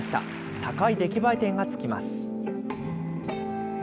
高い出来栄え点がつきます。